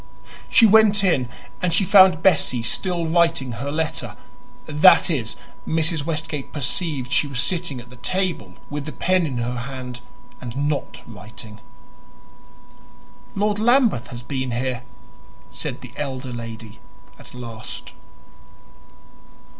She went in, and she found Bessie still writing her letter; that is, Mrs. Westgate perceived she was sitting at the table with the pen in her hand and not writing. "Lord Lambeth has been here," said the elder lady at last.